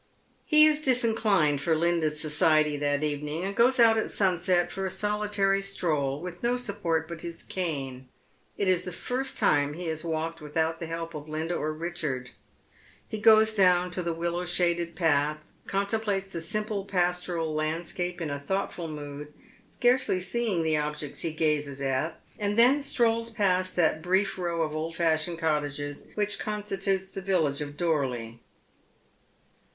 He is disinclined for Linda's society that evening, and goes out at sunset for a solitary stroll, with no support but his cane. It is the first time he has walked without the help of Linda or Richard. He goes down to the willow shaded path, contemplates the simple pastoral landscape in a thoughtful mood, scarcely seeing the objects he gazes at, and then strolls past that brief row of old fashioned cottages which constitutes the village of Dorley.